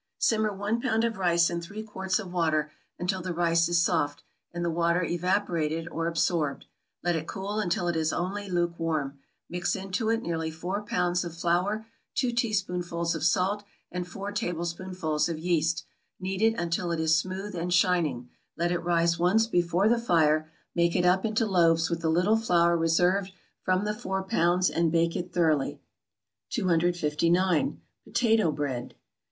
= Simmer one pound of rice in three quarts of water until the rice is soft, and the water evaporated or absorbed; let it cool until it is only luke warm; mix into it nearly four pounds of flour, two teaspoonfuls of salt, and four tablespoonfuls of yeast; knead it until it is smooth and shining, let it rise once before the fire, make it up into loaves with the little flour reserved from the four pounds, and bake it thoroughly. 259. =Potato Bread.